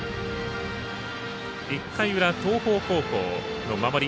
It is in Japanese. １回裏、東邦高校の守り。